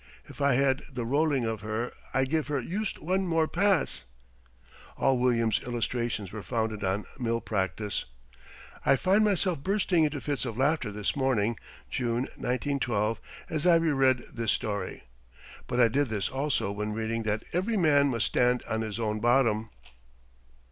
If I had the rolling of her I give her yust one more pass." All William's illustrations were founded on mill practice. [I find myself bursting into fits of laughter this morning (June, 1912) as I re read this story. But I did this also when reading that "Every man must stand on his own bottom."